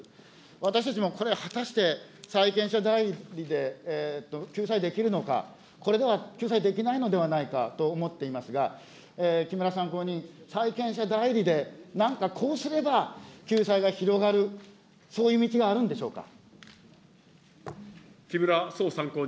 私たちもこれ、果たして債権者代位で救済できるのか、これでは救済できないのではないかと思っていますが、木村参考人、債権者代位で、なんかこうすれば救済が広がる、そういう道があるんでしょうか。